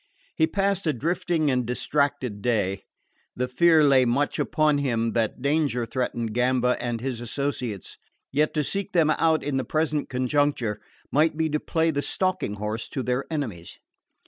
He passed a drifting and distracted day. The fear lay much upon him that danger threatened Gamba and his associates; yet to seek them out in the present conjuncture might be to play the stalking horse to their enemies.